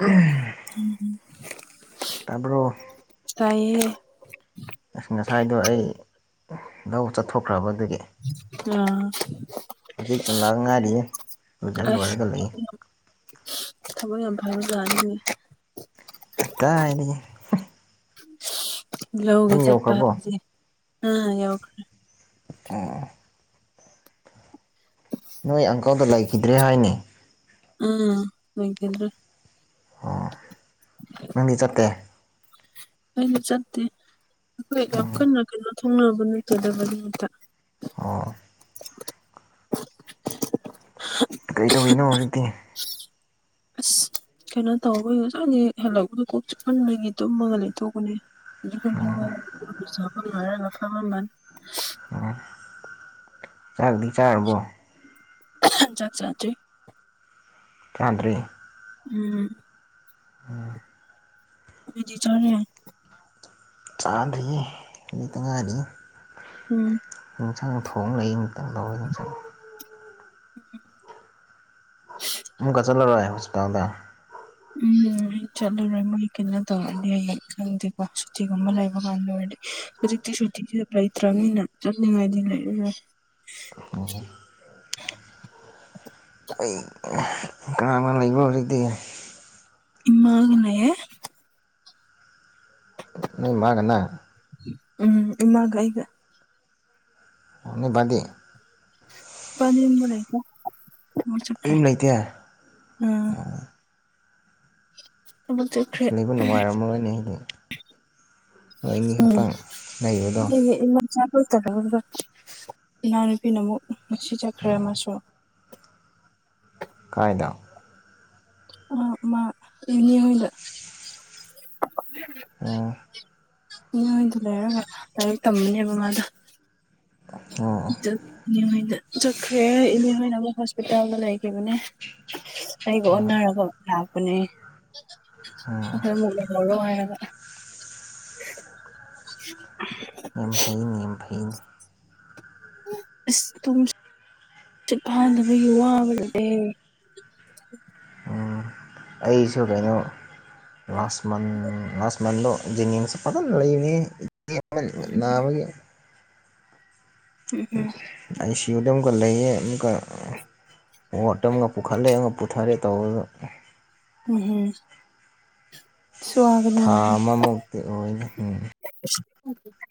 ꯎꯝ ꯎꯝꯝ ꯇꯥꯄꯣ ꯇꯥꯏꯌꯦ ꯑꯁ ꯉꯁꯥꯏꯗꯣ ꯑꯩ ꯂꯧ ꯆꯠꯊꯣꯛꯈ꯭ꯔꯕꯗꯒꯤ ꯑꯥ ꯍꯧꯖꯤꯛꯇ ꯂꯥꯛ ꯉꯥꯏꯔꯤꯌꯦꯖ ꯂꯣꯏꯔꯒ ꯂꯩ ꯊꯃꯣꯏ ꯌꯥꯝꯚꯔ ꯅꯤꯅꯤ ꯑꯠꯇ ꯍꯥꯏꯅꯤ ꯌꯒ ꯌꯨꯝ ꯁꯜꯄ ꯌꯧꯈ꯭ꯔꯕꯣ ꯍꯥꯏꯦ ꯑ ꯌꯎ ꯑꯣꯥ ꯑꯗ ꯂꯩꯈꯤꯗ꯭ꯔꯦ ꯍꯥꯏꯅꯤ ꯑꯥ ꯃꯦꯡꯀꯦꯗ꯭ꯔ ꯑꯣ ꯅꯪꯗꯤ ꯆꯠꯇꯦ ꯑꯩꯅ ꯆꯠꯇꯦ ꯑꯩꯈꯣꯏ ꯌꯥꯝ ꯀꯟꯅ ꯀꯩꯅꯣ ꯊꯣꯡꯅꯕ ꯅꯇꯗꯕ ꯅꯨꯃꯤꯠꯇ ꯑꯣ ꯀꯩ ꯇꯧꯔꯤꯤꯅꯣ ꯍꯧꯖꯤꯛꯇꯤ ꯑꯁ ꯀꯩꯅꯣ ꯇꯧꯕ ꯉꯁꯥꯡꯁ ꯍꯜꯂꯛꯄꯗ ꯀꯣꯛ ꯆꯨꯞꯍꯟꯕꯒꯤ ꯇꯨꯝꯃꯒ ꯂꯩꯊꯣꯛꯄꯅꯦ ꯏ ꯀꯇꯣꯁꯨ ꯄꯨ ꯔꯉꯥ ꯐꯕꯟ ꯆꯥꯛꯗꯤ ꯆꯥꯔꯕꯣ ꯑꯆꯥꯆꯥꯆꯦ ꯆꯥꯗ꯭ꯔꯤ ꯎꯝ ꯎꯝ ꯗꯤ ꯆꯦ ꯆꯥꯗ꯭ꯔꯤ ꯂꯩꯇ ꯉꯥꯏꯔꯤ ꯎꯝ ꯅꯨꯡꯁꯥꯡ ꯊꯣꯡ ꯂꯩꯏꯇꯪ ꯐꯥꯎꯋꯦ ꯅꯨꯡꯁꯪ ꯑꯃꯨꯛꯀ ꯆꯠꯂꯔꯣꯏ ꯍꯣꯁꯄꯤꯇꯥꯜꯗ ꯎꯝ ꯑꯩ ꯆꯠꯂꯨꯔꯣꯏ ꯃꯣꯏ ꯀꯩꯅꯣ ꯇꯧꯔꯗꯤ ꯑꯩ ꯈꯪꯗꯦꯀꯣ ꯁꯨꯇꯤꯒꯨꯝꯕ ꯂꯩꯕ ꯀꯥꯟꯗ ꯑꯣꯏꯔꯗꯤ ꯍꯧꯖꯤꯛꯇꯤ ꯁꯨꯇꯤꯒꯤꯦ ꯐ ꯂꯩꯇ꯭ꯔꯥꯅꯤꯅ ꯆꯠꯅꯤꯡꯉꯥꯏꯗꯤ ꯂꯩꯔꯦ [unintelligible] ꯑꯩ ꯀꯅꯥꯒ ꯂꯩꯕ ꯍꯧꯔꯗꯤ ꯏꯃꯥꯡ ꯉꯅꯦ ꯅ ꯃꯥꯒꯅꯦ ꯎꯝ ꯏꯃꯒ ꯑꯩꯒ ꯑꯅꯤꯕꯗꯤ ꯄꯅꯤꯝꯕꯔꯥꯏꯇ ꯃꯔ ꯆꯀ꯭ꯔꯦ ꯌꯨꯝ ꯂꯩꯇꯦ ꯑꯥ ꯇꯃ ꯆꯈ꯭ꯔꯦ ꯑꯩꯕꯨ ꯅꯨꯡꯉꯥꯏꯔꯝꯃꯔꯣꯏꯅꯤ ꯍꯥꯏꯗꯤ ꯅꯣꯏ ꯑꯅꯤ ꯈꯛꯇꯪ ꯂꯩꯕꯗꯣ ꯏꯃꯆꯥꯄ ꯇꯔꯗ ꯏꯅꯥꯎꯅꯨꯄꯤꯅ ꯑꯃꯨꯛ ꯅꯨꯡꯁꯤ ꯆꯠꯈ꯭ꯔꯦ ꯑꯃꯁꯨ ꯀꯥꯏꯗ ꯑ ꯃꯥ ꯏꯅꯤ ꯍꯗ ꯑꯣ ꯃꯤꯑꯣꯏꯗ ꯂꯩꯔꯒ ꯂꯥꯏꯔꯤꯛ ꯇꯝꯝꯕꯅꯦꯕ ꯃꯥꯗ ꯑꯣ ꯆꯠꯈ꯭ꯔꯦ ꯏꯅꯦ ꯍꯣꯏꯅ ꯑꯃꯨꯛ ꯍꯣꯁꯄꯤꯇꯥꯜꯗ ꯂꯩꯈꯤꯕꯅꯦ ꯑꯩꯒ ꯑꯣꯟꯅꯔꯒ ꯂꯥꯛꯄꯅꯦ ꯑꯣ ꯑꯩꯈꯣꯏ ꯑꯃꯨꯛ ꯃꯔ ꯍꯥꯏ ꯑ ꯌꯥꯝ ꯐꯩꯅꯤ ꯌꯥꯝ ꯐꯩꯅꯤ ꯑꯁ ꯇꯨꯝ ꯆꯠꯄꯥꯗꯕꯒꯤ ꯋꯥꯕ ꯂꯩ ꯑꯩꯁꯨ ꯀꯩꯅꯣ ꯂꯥꯁ ꯃꯟ ꯂꯥꯁ ꯃꯟꯗꯣ ꯖꯦꯅꯤꯝꯁꯦ ꯐꯖꯅ ꯂꯩꯕꯅꯦ ꯅꯥꯕꯒꯤ ꯎꯝ ꯎꯝ ꯑꯥꯏ ꯁꯤ ꯌꯨꯗ ꯑꯃꯨꯛꯀ ꯂꯩꯌꯦ ꯑꯃꯨꯛꯀ ꯃꯣꯠ ꯑꯃꯒ ꯄꯨꯈꯠꯂꯛꯑ‌ꯦ ꯑꯃꯒ ꯄꯨꯊꯔꯦ ꯇꯧꯕꯗ ꯎꯝ ꯍꯝ ꯊꯥ ꯑꯃꯃꯨꯛꯇꯤ ꯑꯣꯏꯅꯤ ꯎꯝ [unintelligible]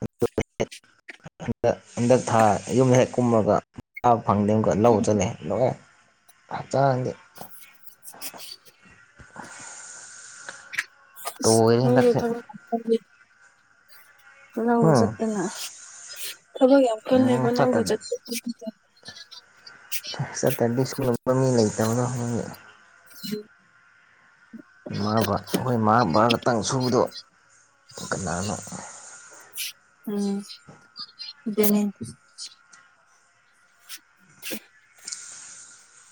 [unintelligible] ꯍꯟꯗꯛ ꯍꯟꯗꯛ ꯊꯥ ꯌꯨꯝ ꯍꯦꯛ ꯀꯨꯝꯃꯒ [unintelligible] ꯐꯪꯗ ꯂꯧ ꯆꯂ‌ꯦ ꯂꯧꯑꯦ ꯍꯛꯆꯥꯡꯗꯤ [unintelligible] ꯇꯣꯏꯔꯦ ꯍꯟꯗꯛꯁꯦ [unintelligible] ꯂꯧꯒ ꯎꯝ ꯆꯠꯇꯅ [unintelligible] ꯊꯕꯛ ꯌꯥꯝ ꯎꯝ ꯀꯜꯂꯦꯕ ꯂꯧꯒ ꯆꯠꯇ꯭ꯔꯗꯤ ꯆꯠꯇꯅ [unintelligible] ꯆꯠꯇ꯭ꯔꯗꯤ ꯁ꯭ꯀꯨꯜ [unintelligible] ꯃꯤ ꯂꯩꯇꯕꯗꯣ [unintelligible] ꯏꯃꯥꯕꯥ ꯑꯩꯈꯣꯏ ꯃꯥ ꯚꯕꯥ ꯈꯛꯇꯪ ꯁꯨꯕꯗꯣ ꯀꯅꯥꯅꯣ ꯎꯝ [unintelligible] [unintelligible]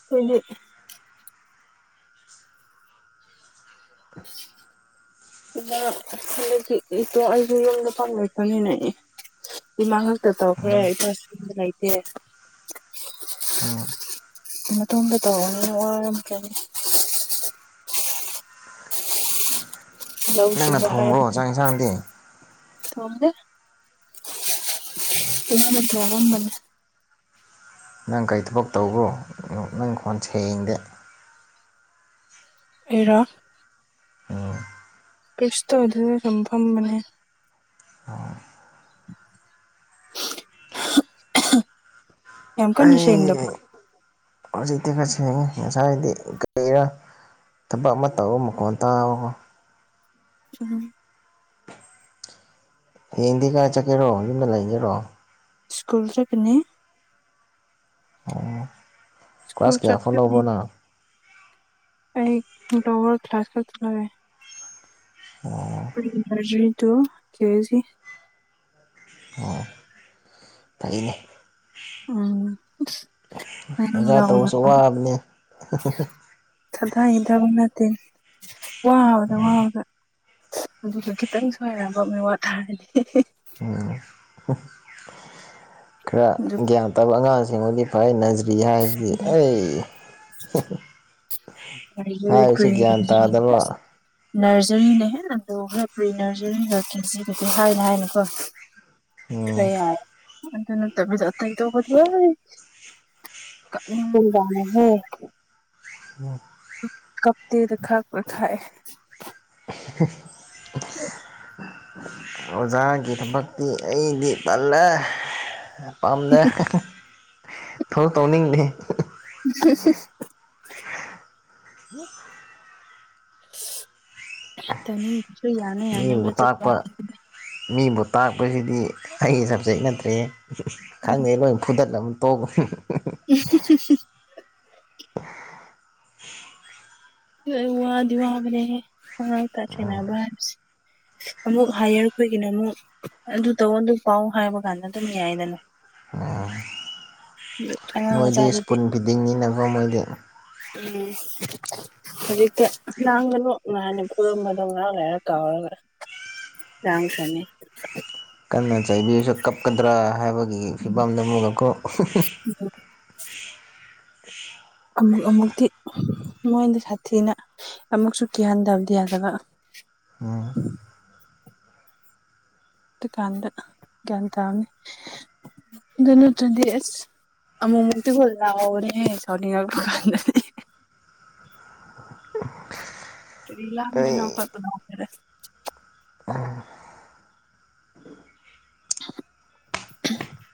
ꯑꯩꯈꯣꯏꯗꯤ [unintelligible] ꯏꯇꯣ ꯑꯩꯁꯨ ꯌꯨꯝꯗ [unintelligible] ꯏꯃꯥ ꯉꯥꯛꯛꯇ ꯇꯧꯈ꯭ꯔꯦ ꯏꯄꯥꯁꯨ ꯂꯩꯇꯦ ꯑꯣꯝ ꯃꯇ‌ꯣꯝꯇ ꯇꯧꯕꯅꯤꯅ ꯋꯥꯔꯝꯈꯔꯅꯤ ꯂꯧꯎ ꯅꯪꯅ ꯁꯨꯕ ꯍꯥꯏꯕ ꯊꯣꯡꯕ꯭ꯔꯣ ꯆꯥꯛ ꯌꯦꯟꯁꯥꯡꯗꯤ ꯊ‌ꯣꯡꯗ‌ꯦ [unintelligible] ꯕꯅꯤ ꯅꯪ ꯀꯔꯤ ꯊꯕꯛ ꯇꯧꯕ꯭ꯔꯣ ꯅꯪ ꯈꯣꯟ ꯁꯦꯡꯗꯦ ꯑꯩꯔ‌ꯣ ꯎꯝ ꯀꯩꯁꯨ ꯇꯧꯗ‌ꯦꯗ ꯑꯗꯨꯝ ꯐꯝꯕꯅꯦ ꯌꯥꯝ ꯀꯟꯅ ꯑꯩ ꯁꯦꯡꯗꯕ꯭ꯔꯣ ꯍꯧꯖꯤꯛꯇꯤ ꯈꯔ ꯁ‌ꯦꯡꯉ‌ꯦ ꯉꯁꯥꯏꯗꯤ ꯀꯔꯤꯔ ꯊꯕꯛ ꯑꯃ ꯇꯧꯕ ꯃꯈꯣꯟ ꯇꯥꯕꯀꯣ ꯎꯝ ꯍꯌꯦꯡꯗꯤ ꯀꯥꯏ ꯆꯠꯀꯦꯔꯣ ꯌꯨꯝꯗ ꯂꯩꯒꯦꯔꯣ ꯁ꯭ꯀꯨꯜ ꯆꯠꯀꯅꯤ ꯁ꯭ꯀꯨꯜ ꯀ꯭ꯂꯥꯁ ꯀꯌꯥ ꯐꯥꯎ ꯆꯠꯀꯅꯤ ꯂꯧꯕ꯭ꯔꯣ ꯅꯪ ꯑꯩ ꯂ‌ꯣꯋꯔ ꯀ꯭ꯂꯥꯁ ꯀꯛꯈ꯭ꯔꯦ ꯑꯣ [unintelligible] ꯑꯣ ꯐꯩꯌ‌ꯦ ꯎꯝ ꯉꯔꯥꯡ ꯑꯣꯖꯥ ꯇꯧꯔꯁꯨ ꯋꯥꯕꯅꯤ ꯊꯊꯥꯒꯤ ꯊꯕꯛ ꯅꯠꯇꯦ ꯋꯥꯕꯗ ꯋꯥꯕꯗ ꯑꯗꯨꯒ ꯈꯤꯇꯪ ꯁꯣꯏꯔꯛꯑꯕ ꯃꯤꯋꯥ ꯇꯥꯔꯅꯤ ꯎꯝ ꯈꯔ ꯑꯗꯨꯒ ꯒ꯭ꯌꯥꯟ ꯇꯥꯕ ꯑꯉꯥꯡꯁꯤꯡꯕꯨꯗꯤ ꯐꯥꯏ ꯅꯖꯔꯤ ꯍꯥꯏꯁꯤꯗꯤ ꯑꯩ ꯅꯔꯖꯔꯤ ꯍꯥꯏꯔꯁꯨ ꯄ꯭ꯔꯤ ꯒ꯭ꯌꯥꯟ ꯅꯔꯖꯔꯤ ꯇꯥꯗꯕ ꯑꯁ ꯅꯔꯖꯔꯤꯅ ꯍ‌ꯦꯟꯅ ꯂꯨꯈ꯭ꯔ‌ꯦ ꯄ꯭ꯔꯤ ꯅꯔꯖꯔꯤꯒ ꯀꯦꯖꯤꯒꯗꯤ ꯍꯥꯏꯅ ꯍꯥꯏꯅꯀꯣ ꯎꯝ ꯈꯔ ꯌꯥꯏ ꯑꯗꯨ ꯅꯠꯇꯕꯁꯨ ꯑꯇꯩ ꯇꯧꯕꯗꯤ ꯑꯩ ꯀꯞꯅꯤꯡꯕꯖꯥꯠꯅꯤꯍ‌ꯦ ꯍꯝ ꯀꯞꯇ‌ꯦꯗ ꯈꯥꯛꯄ ꯈꯥꯛꯑꯦ [unintelligible] [unintelligible] ꯑꯣꯖꯥꯒꯤ ꯊꯕꯛꯇꯤ ꯑꯩꯗꯤ ꯇꯜꯂꯦ ꯄꯥꯝꯗꯦ [unintelligible] ꯊꯕꯛ ꯇꯧꯅꯤꯡꯗꯦ [unintelligible] [unintelligible] ꯇꯧꯅꯤꯡꯗ꯭ꯔꯁꯨ ꯌꯥꯅ ꯃꯤꯕꯨ ꯌꯥꯅꯕ ꯆꯠꯄ ꯇꯥꯛꯄ ꯃꯤꯕꯨ ꯇꯥꯛꯄꯁꯤꯗꯤ ꯑꯩꯒꯤ ꯁꯕꯖꯦꯛ ꯅꯠꯇ꯭ꯔꯦ ꯈꯪꯗꯦ ꯂꯣꯏꯅ ꯐꯨꯗꯠꯂꯝ ꯇꯣꯛ [unintelligible] [unintelligible] [unintelligible] ꯋꯥꯗꯤ ꯋꯥꯕꯅꯦꯍꯦ ꯑꯉꯥꯡꯀ ꯁꯦꯟꯅꯕ ꯍꯥꯏꯕꯁꯦ ꯑꯃꯨꯛ ꯍꯥꯏꯌꯔꯈꯣꯏꯒꯤꯅ ꯑꯃꯨꯛ ꯑꯗꯨ ꯇꯧ ꯑꯗꯨ ꯄꯥꯎ ꯍꯥꯏꯕ ꯀꯥꯟꯗ ꯑꯗꯨꯝ ꯌꯥꯏꯗꯅ [unintelligible] [unintelligible] ꯃꯣꯏꯗꯤ ꯃꯆꯥꯗꯨꯗꯤ ꯏꯁ꯭ꯄꯨꯟ ꯐꯤꯗꯤꯡꯅꯤꯅ ꯀ‌ꯣ ꯃꯣꯏꯗꯤ ꯎꯝ ꯍꯧꯖꯤꯛꯇ ꯂꯥꯡꯒꯅꯣ ꯒꯥꯏꯅ ꯐꯨꯔꯝꯕꯗꯣ ꯉꯍꯥꯛ ꯂꯩꯥꯏꯔ ꯀꯥꯎꯔꯒ ꯔꯥꯡ ꯈꯅꯤ ꯀꯟꯅ ꯆꯩꯥꯕꯤꯔꯁꯨ ꯀꯞꯀꯗ꯭ꯔꯥ ꯍꯥꯏꯕꯒꯤ ꯐꯤꯕꯝꯗꯅ‌ꯦꯕꯀ‌ꯣ ꯎꯝ ꯑꯃꯨꯛ ꯑꯃꯨꯛꯇꯤ ꯃꯣꯏꯅ ꯁꯥꯊꯤꯅ ꯑꯃꯨꯛꯁꯨ ꯀꯤꯍꯟꯗꯕꯗꯤ ꯌꯥꯗꯕ ꯎꯝ ꯗꯨꯀꯥꯟꯗ ꯒ꯭ꯌꯥꯟ ꯇꯥꯔꯅꯤ ꯑꯗꯨ ꯅꯠꯇ꯭ꯔꯗꯤ ꯑꯁ ꯑꯃꯨ ꯃꯨꯛꯇꯤꯀꯣ ꯂꯥꯎꯕꯅꯤꯍꯦ ꯁꯥꯎꯅꯤꯡꯕꯀꯥꯟꯗꯗꯤ ꯀꯔꯤ ꯂꯥꯡꯕꯅꯣ ꯑꯩ [unintelligible] [unintelligible]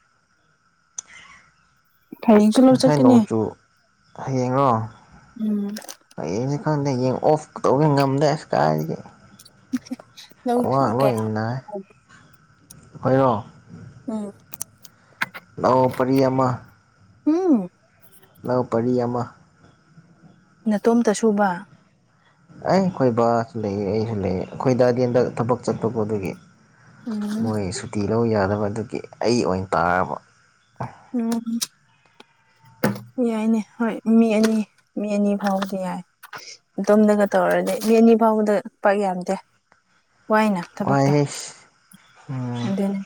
ꯍꯌꯦꯡꯁꯨ ꯂꯧ ꯉꯁꯥꯏ ꯆꯠꯀꯅꯤ ꯅꯣꯡꯆꯨ ꯍꯌꯦꯡꯔꯣ ꯎꯝ ꯍꯌꯦꯡꯁꯦ ꯈꯪꯗꯦ ꯌꯦꯡ ꯑꯣꯐ ꯇꯧꯒꯦ ꯉꯝꯗ꯭ꯔꯦ ꯑꯁ ꯀꯥꯏꯗꯒꯤ ꯂꯧ ꯈꯋꯥꯡ ꯂꯣꯏ ꯀꯌꯥ ꯅꯥꯏ ꯑꯣꯏꯔꯣ ꯎꯝ ꯂꯧ ꯄꯔꯤ ꯑꯃ ꯍꯝ ꯂꯧ ꯄꯔꯤ ꯑꯃ ꯅꯇꯣꯝꯇ ꯁꯨꯕ ꯑꯦ ꯑꯩꯈꯣꯏ ꯕꯥꯁꯨ ꯂꯩꯌꯦ ꯑꯩꯁꯨ ꯂꯩꯌꯦ ꯑꯩꯈꯣꯏ ꯗꯥꯗꯤ ꯍꯟꯗꯛ ꯊꯕꯛ ꯆꯠꯄꯀꯣ ꯑꯗꯨꯒꯤ ꯎꯝ ꯃꯣꯏ ꯁꯨꯇꯤ ꯂꯧ ꯌꯥꯗꯕ ꯑꯗꯨꯒꯤ ꯑꯩ ꯑꯣꯏꯅ ꯇꯥꯔꯕ ꯎꯝ [unintelligible] ꯌꯥꯏꯅꯦ ꯍꯣꯏ ꯃꯤ ꯑꯅꯤ ꯃꯤ ꯑꯅꯤ ꯐꯥꯎꯕꯗꯤ ꯌꯥꯏ ꯑꯗꯣꯝꯗꯅ ꯇꯧꯔꯗꯤ ꯃꯤ ꯑꯅꯤ ꯐꯥꯎꯕꯗ ꯄꯥꯛ ꯌꯥꯝꯗꯦ ꯋꯥꯏꯅ ꯊꯕꯛꯇꯣ ꯋꯥꯏꯍꯦ ꯎꯝ ꯑꯗꯨꯅꯤ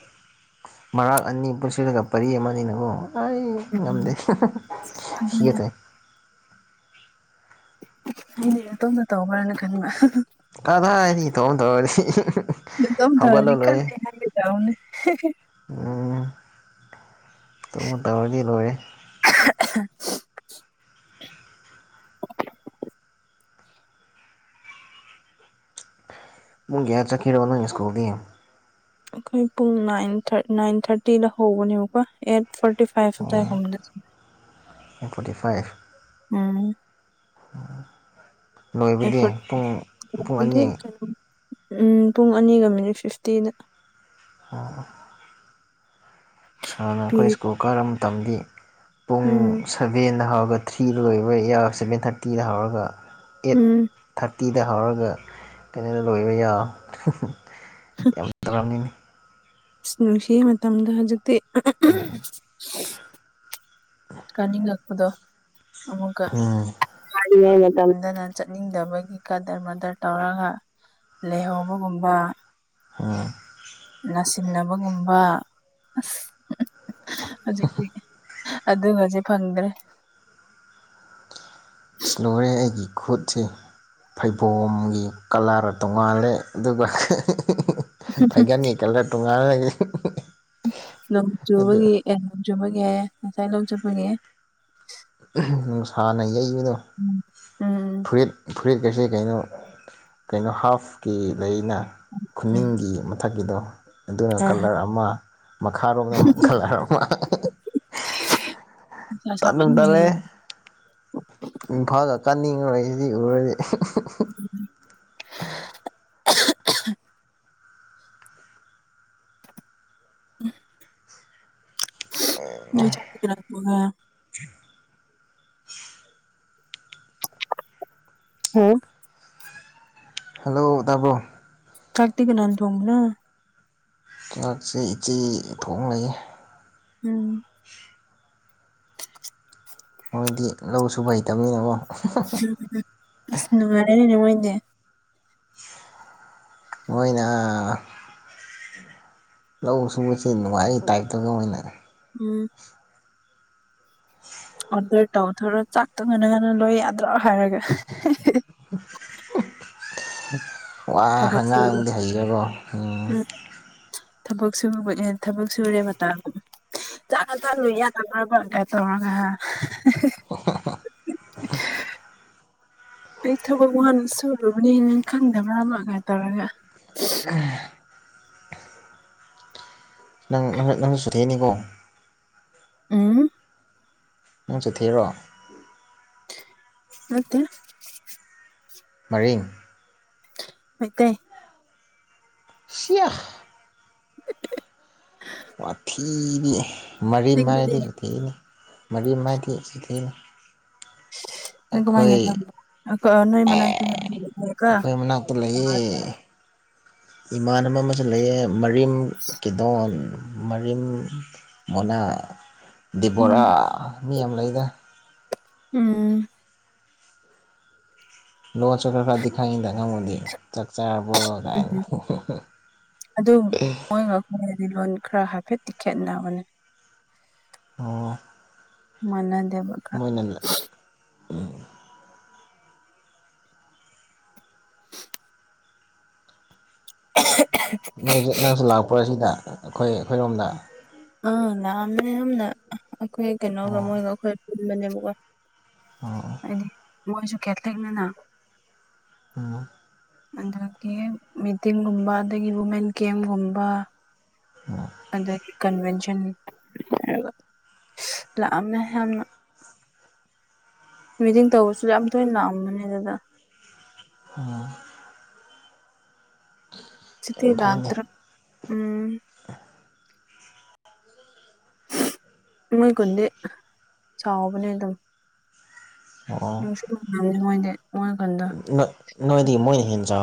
ꯃꯔꯥꯛ ꯑꯅꯤ ꯄꯨꯟꯁꯤꯜꯂꯒ ꯄꯔꯤ ꯑꯃꯅꯤꯅꯀꯣ ꯑꯩ ꯎꯝ ꯉꯝꯗꯦ [unintelligible] ꯁꯝꯒꯦ ꯑꯗꯨꯅꯦ ꯇꯧꯏ ꯑꯩꯗꯤ ꯅꯇꯣꯝꯗ ꯇꯧꯕ꯭ꯔꯅ ꯈꯟꯕ ꯑꯗ ꯏꯇꯣꯝ ꯇꯣꯔꯗꯤ ꯅꯇꯣꯝ ꯇꯧꯔꯗꯤ ꯀꯟꯂꯦ ꯍꯥꯏꯒꯦ ꯇꯧꯕꯅꯤ ꯎꯝ ꯇꯧꯔꯗꯤ ꯇꯧꯔꯗꯤ ꯂꯣꯏꯔꯦ [unintelligible] ꯄꯨꯡ ꯀꯌꯥ ꯆꯠꯀꯦꯔꯣ ꯅꯪꯒꯤ ꯏꯁꯀꯨꯜꯗꯤ ꯑꯩꯈꯣꯏ ꯄꯨꯡ ꯅꯥꯏꯟ ꯅꯥꯏꯟ ꯊꯥꯔꯇꯤꯗ ꯍꯧꯕꯅꯦꯕꯀꯣ ꯑꯦꯠ ꯐꯣꯔꯇꯤ ꯐꯥꯏꯚ ꯑꯗꯥꯏꯒꯨꯝꯕꯗ ꯆꯠꯄꯅꯦ ꯅꯥꯏꯟ ꯐꯣꯔꯇꯤ ꯐꯥꯏꯚ ꯎꯝ ꯑꯩꯠ ꯂꯣꯏꯕꯗꯤ ꯐꯣꯔꯇꯤ ꯄꯨꯡ ꯐꯥꯏꯚ ꯄꯨꯡ ꯑꯅꯤ ꯀꯩꯅꯣ ꯎꯝ ꯄꯨꯡ ꯑꯅꯤꯒ ꯃꯤꯅꯤꯠ ꯐꯤꯐꯇꯤꯗ ꯑꯣ ꯁꯅ ꯑꯩꯈꯣꯏ ꯄꯤꯔꯤ ꯁ ꯀꯨꯀꯔ ꯃꯇꯝꯗꯤ ꯄꯨꯡ ꯎꯝ ꯁꯚꯦꯟꯗ ꯍꯧꯥꯎꯔꯒ ꯊ꯭ꯔꯤ ꯂꯣꯏꯕ ꯁꯚꯦꯟ ꯊꯥꯔꯇꯤꯗ ꯍꯧꯔꯒ ꯑꯦꯠ ꯎꯝ ꯊꯥꯔꯇꯤꯗ ꯍꯧꯔꯒ ꯀꯩꯅꯣꯗ ꯂꯣꯏꯕ ꯌꯥ ꯌꯥꯝ ꯇꯧꯔꯝꯅꯤꯅꯤ ꯅꯨꯡꯁꯤꯒꯤ ꯃꯇꯝꯗ ꯍꯧꯖꯤꯛꯇꯤ ꯀꯥꯅꯤꯡꯉꯛꯄꯗꯣ ꯑꯃꯨꯛꯀ ꯎꯝ ꯍꯥꯏꯔꯤꯉꯩ ꯃꯇꯝꯗꯅ ꯆꯠꯅꯤꯡꯗꯕꯒꯤ ꯀꯥꯗꯔ ꯃꯥꯗꯔ ꯇꯧꯔꯒ ꯂꯩꯍꯧꯕꯒꯨꯝꯕ ꯑꯝ ꯅꯥꯁꯤꯟꯅꯕꯒꯨꯝꯕ ꯑꯁ ꯍꯧꯖꯤꯛꯗꯤ ꯑꯗꯨꯒꯁꯦ ꯐꯪꯗ꯭ꯔꯦ ꯏꯁ ꯂꯣꯏꯔꯦ ꯑꯩꯒꯤ ꯈꯨꯠꯁꯤ ꯐꯩꯕꯣꯝꯒꯤ ꯀꯂꯔ ꯇꯣꯡꯉꯥꯜꯂꯦ ꯑꯗꯨꯒ [unintelligible] ꯐꯩꯒꯟꯒꯤ ꯀꯂꯔ ꯇꯣꯉꯥꯟꯂꯦ [unintelligible] ꯅꯣꯡ ꯆꯨꯕꯒꯤ ꯑꯦ ꯅꯣꯡ ꯆꯨꯕꯒꯤ ꯍꯥꯏ ꯉꯁꯥꯏ ꯅꯣꯡ ꯆꯨꯕꯒꯤ ꯅꯨꯡꯁꯥꯅ ꯌꯩꯕꯗꯣ ꯎꯝ ꯎꯝ ꯐꯨꯔꯤꯠ ꯐꯨꯔꯤꯠꯀꯁꯦ ꯀꯩꯅꯣ ꯀꯩꯅꯣ ꯍꯥꯐꯀꯤ ꯂꯩꯅ ꯎꯝ ꯈꯨꯅꯤꯡꯒꯤ ꯄꯊꯛꯀꯤꯗꯣ ꯑꯗꯨꯅ ꯍꯣꯏ ꯍꯣꯏ ꯀꯂꯔ ꯑꯃ ꯃꯈꯥꯔꯣꯝꯗ ꯀꯂꯔ ꯑꯃ ꯅꯨꯡꯁꯥ ꯇꯠ ꯁꯥꯃꯟꯕꯒꯤ ꯇꯠꯂꯦ ꯏꯝꯐꯥꯜꯗ ꯀꯥꯅꯤꯡꯉꯨꯔꯣꯏ ꯁꯤ ꯎꯔꯗꯤ ꯎꯝ ꯎꯝ ꯆꯥ ꯔꯒ ꯍꯥ ꯍꯜꯂꯣ ꯇꯗꯥꯕꯣ ꯀꯥꯛꯇꯤ ꯀꯅꯟ ꯇꯣ ꯀꯥꯛꯁꯦ ꯏꯆꯦ ꯊꯣꯛꯣꯡꯅꯩ ꯎꯝ ꯃꯣꯏꯗꯤ ꯂꯧ ꯁꯨꯕ ꯍꯩꯇꯕꯅꯤꯅꯀꯣ ꯎꯝ ꯑꯁ ꯅꯨꯡꯉꯥꯏꯔꯦꯅꯤꯅꯦ ꯃꯣꯏꯅꯦ ꯃꯣꯏꯅ ꯂꯧ ꯁꯨꯕꯕꯁꯤꯦ ꯅꯨꯡꯉꯥꯏꯩ ꯇꯥꯏꯞꯇꯒ ꯑꯣꯏꯅ ꯎꯝ ꯑꯣꯗꯔ ꯇꯧꯊꯔꯣ ꯆꯥꯛꯇꯣꯡ ꯉꯅ ꯉꯟꯅ ꯂꯣꯏ ꯌꯥꯗ꯭ꯔꯣ ꯍꯥꯏꯔꯒ ꯋꯥ ꯊꯕꯛ ꯁꯨꯔꯦ ꯑꯉꯥꯡꯗꯤ ꯍꯩꯖꯔꯣ ꯎꯝ ꯊꯕꯛ ꯁ ꯊꯕꯛ ꯁꯨꯔꯦ ꯃꯇꯥ ꯆ ꯀ ꯆ ꯂꯨ ꯌꯥ ꯇꯗꯔꯒ ꯀꯦ ꯇꯔꯒ ꯑꯣ ꯍ ꯑꯩ ꯊꯕꯛ ꯋꯥꯟ ꯁꯨꯨꯔꯨꯕꯅꯦ ꯅꯪ ꯈꯪꯗꯕ꯭ꯔꯥ ꯑꯃꯒꯥꯏ ꯇꯧꯔꯒ ꯎꯝ ꯅꯪꯪ ꯅꯪꯁꯨ ꯆꯨꯊꯛꯑꯅꯤꯀꯣ ꯑ ꯃ ꯆ ꯊꯦꯔꯣ ꯃꯠꯇ ꯃꯔꯤꯡ ꯃꯗ ꯁꯤꯐ [unintelligible] ꯋꯥꯊꯤꯗꯤ ꯃꯔꯤ ꯑꯁꯦꯡꯕꯅꯦ ꯃꯥꯏꯗꯤꯁꯨ ꯊꯤꯅ ꯃꯔꯤ ꯃꯥꯏꯗꯁꯨ ꯊꯤꯅ ꯀꯃꯥꯏꯅꯦ ꯀ ꯅꯣꯏ ꯃꯅꯥ ꯑꯩꯈꯣꯏ ꯀ ꯃꯅꯥꯛꯇ ꯂꯩꯌꯦ ꯏꯃꯥꯟꯅꯕ ꯑꯃꯁꯨ ꯂꯩꯌꯦ ꯃꯔꯤꯝ ꯀꯗꯣ ꯃꯔꯤꯝ ꯃꯣꯅꯥ ꯗꯤꯦꯕꯣꯔꯥ ꯎꯝ ꯃꯤ ꯌꯥꯝ ꯂꯩꯗ ꯎꯝ ꯂꯣꯍ ꯆꯒ꯭ꯔ ꯈ ꯗꯤꯏꯗ ꯅ ꯍꯗ ꯆꯥꯛ ꯆꯥꯔꯕ ꯀꯥꯏꯅ ꯎꯝ ꯍꯗꯤ ꯂꯣꯟ ꯈꯔ ꯍꯥꯏꯐꯦꯠꯇꯤ ꯈꯦꯠꯅꯕꯅꯦ ꯑꯣ ꯃꯅꯗꯦꯕ ꯅ ꯎꯝ [unintelligible] ꯅꯪ ꯅꯪꯁꯨ ꯂꯥꯛꯄ ꯑꯁꯤꯗ ꯑꯩꯈꯣꯏ ꯑꯩꯈꯣꯏꯔꯣꯝꯗ ꯑꯥ ꯂꯥꯛꯑꯃꯦ ꯌꯥꯝꯅ ꯑꯩꯈꯣꯏ ꯀꯩꯅꯣꯒ ꯑꯣ ꯃꯣꯏꯒ ꯑꯩꯈꯣꯏ ꯄꯨꯟꯕꯅꯦꯕꯀꯣ ꯑꯣ ꯍꯥꯏꯗꯤ ꯃꯣꯏꯁꯨ ꯀꯦꯠꯂꯤꯛꯅꯤꯅ ꯎꯝ ꯑꯗꯒꯤ ꯃꯤꯇꯤꯡꯒꯨꯝꯕ ꯑꯗꯒꯤ ꯋꯨꯃꯦꯟ ꯀꯦꯝꯒꯨꯝꯕ ꯑ ꯑꯗꯒꯤ ꯀꯟꯚꯦꯟꯁꯟ ꯂꯥꯛꯑꯝꯅ ꯌꯥꯝꯅ ꯃꯤꯇꯤꯡ ꯇꯧꯕꯁꯨ ꯌꯥꯝ ꯇꯣꯏꯅ ꯂꯥꯛꯑꯝꯕꯅꯦ ꯑꯗꯨꯗ ꯑꯣꯝ ꯆꯇ ꯌꯥꯝ ꯐꯩꯅꯦ ꯂꯇ꯭ꯔ ꯎꯝ ꯃꯣꯏ ꯀꯨꯟꯗꯤ ꯆꯥꯎꯕꯅꯦ ꯑꯗꯨꯝ ꯅꯅꯨꯡꯁꯨꯉꯣꯏꯗꯤ ꯅꯣꯏ ꯅꯣꯏꯗꯤ ꯃꯣꯏꯅ ꯍꯦꯟ ꯆ